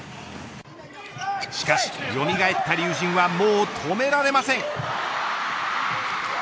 しかし、よみがえった龍神はもう止められません。